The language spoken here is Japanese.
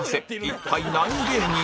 一体何芸人？